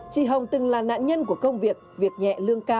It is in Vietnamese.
chị hồng từng là nạn nhân của công việc việc nhẹ lương cao